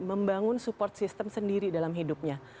membangun support system sendiri dalam hidupnya